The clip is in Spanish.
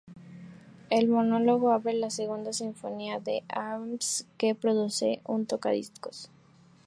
El monólogo abre con la segunda sinfonía de Brahms, que reproduce un tocadiscos.